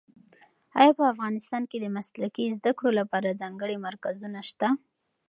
ایا په افغانستان کې د مسلکي زده کړو لپاره ځانګړي مرکزونه شته؟